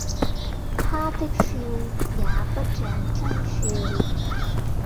他的笑也不像眞笑。